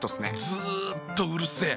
ずっとうるせえ。